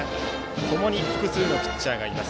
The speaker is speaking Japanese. ともに複数のピッチャーがいます。